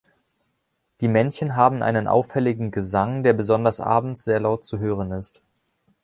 Die Männchen haben einen auffälligen Gesang, der besonders abends sehr laut zu hören ist.